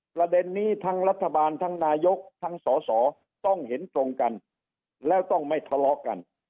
ประเด็นนี้ทั้งรัฐบาลทั้งนายกทั้งสอสอต้องเห็นตรงกันแล้วต้องไม่ทะเลาะกัน